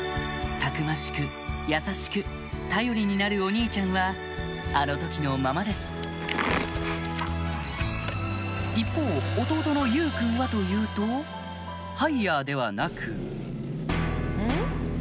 たくましく優しく頼りになるお兄ちゃんはあの時のままです一方弟の祐君はというとハイヤーではなくん？